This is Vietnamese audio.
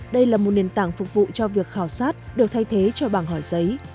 đây là một nền tảng phục vụ cho việc khảo sát đều thay thế cho bảng hỏi giấy